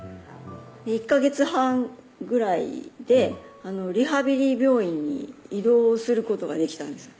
１カ月半ぐらいでリハビリ病院に移動することができたんです